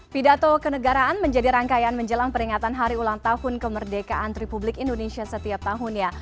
pidato kenegaraan menjadi rangkaian menjelang peringatan hari ulang tahun kemerdekaan republik indonesia setiap tahunnya